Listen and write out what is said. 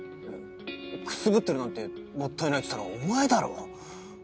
くすぶってるなんてもったいないっつったのお前だろ。